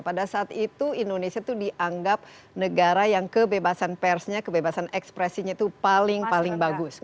pada saat itu indonesia itu dianggap negara yang kebebasan persnya kebebasan ekspresinya itu paling paling bagus